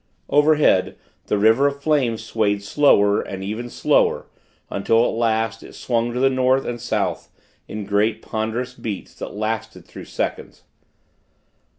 Overhead, the river of flame swayed slower, and even slower; until, at last, it swung to the North and South in great, ponderous beats, that lasted through seconds.